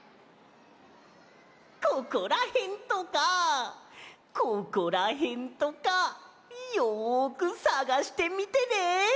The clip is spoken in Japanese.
ここらへんとかここらへんとかよくさがしてみてね。